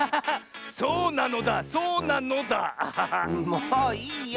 もういいよ。